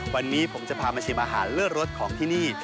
วันนี้ผมจะพามาชิมอาหารเลิศรสของที่นี่